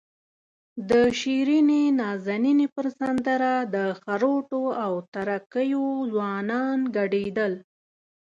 د شیرینې نازنینې پر سندره د خروټو او تره کیو ځوانان ګډېدل.